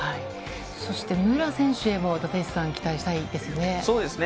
そして、武良選手へも立石さん、期待したいですね。